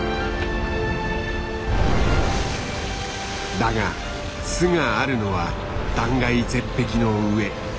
だが巣があるのは断崖絶壁の上。